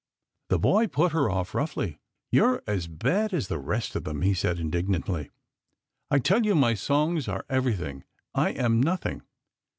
The boy put her off roughly. " You're as bad as the rest of them," he said indignantly. " I tell you my songs are every thing, I am nothing."